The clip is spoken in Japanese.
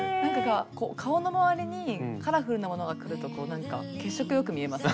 顔の周りにカラフルなものがくるとこうなんか血色よく見えますね。